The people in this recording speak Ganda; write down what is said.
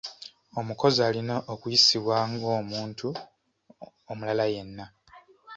Omukozi alina okuyisibwa bg’omuntu omulala yenna.